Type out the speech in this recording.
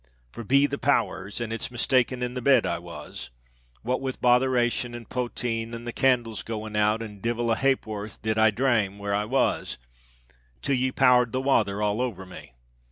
For, be the powers! and it's mistaken in the bed I was—what with botheration and potheen and the candle's going out; and divil a hayp'orth did I drame where I was, till ye powred the wather all over me.